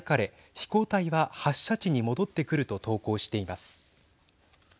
飛行体は発射地に戻ってくると投稿しています。